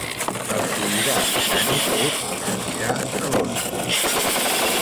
El Sobirà britànic és el Sobirà de l'Orde.